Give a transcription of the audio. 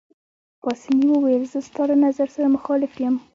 پاسیني وویل: زه ستا له نظر سره مخالف یم.